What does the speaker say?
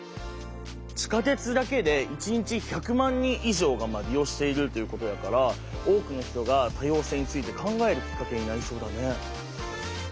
地下鉄だけで一日１００万人以上が利用しているっていうことやから多くの人が多様性について考えるきっかけになりそうだね。